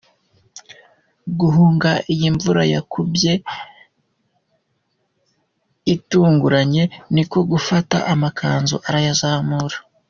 guhungu iyi mvura yakubye itunguranye niko gufata amakanzu arayazamura.